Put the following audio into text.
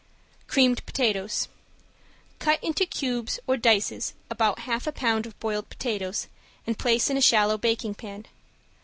~CREAMED POTATOES~ Cut into cubes or dices about half a pound of boiled potatoes and place in a shallow baking pan.